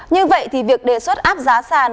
như vậy thì việc đề xuất áp giá sàn